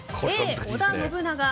Ａ、織田信長